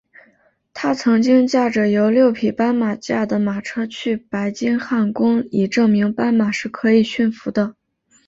他曾经驾着由六匹斑马驾的马车去白金汉宫以证明斑马是可以驯服的。